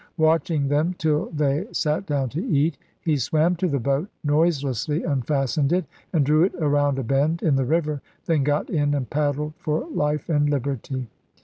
Watching them till they sat down to eat, he swam to the boat, noiselessly unfastened it, and drew it around a bend in the river, then got in and paddled for life and liberty.